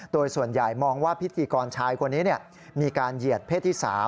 โดยส่วนใหญ่มองว่าพิธีกรชายคนนี้มีการเหยียดเพศที่๓